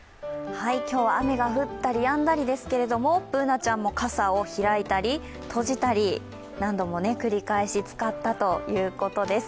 今日は雨が降ったりやんだりですけれども、Ｂｏｏｎａちゃんも傘を開いたり閉じたり、何度も繰り返し使ったということです。